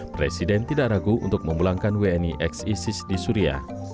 presiden tidak ragu untuk memulangkan wni ex isis di suria